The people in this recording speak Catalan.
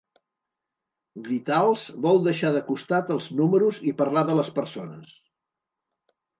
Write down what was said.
Vitals vol deixar de costat els números i parlar de les persones.